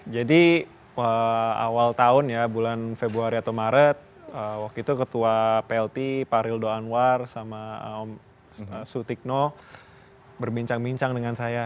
jadi awal tahun ya bulan februari atau maret waktu itu ketua plt pak rildo anwar sama om su thickno berbincang bincang dengan saya